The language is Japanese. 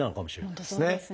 本当そうですね。